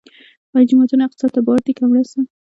آیا جوماتونه اقتصاد ته بار دي که مرسته؟